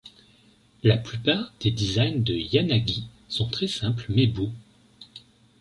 La plupart des designs de Yanagi sont très simples mais beaux.